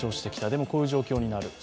でも、こういう状況になると。